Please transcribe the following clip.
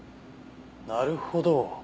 なるほど。